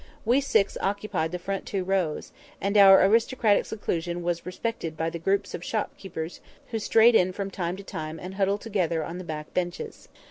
We six occupied the two front rows, and our aristocratic seclusion was respected by the groups of shopkeepers who strayed in from time to time and huddled together on the back benches.